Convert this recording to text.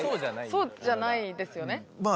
そうじゃないですよね？